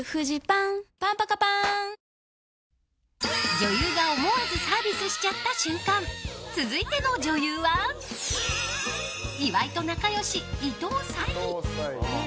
女優が思わずサービスしちゃった瞬間続いての女優は岩井と仲良し、伊藤沙莉。